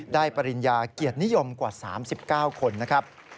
ปริญญาเกียรตินิยมกว่า๓๙คนนะครับ